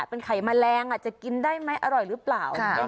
เป็นไข่แมลงจะกินได้ไหมอร่อยหรือเปล่า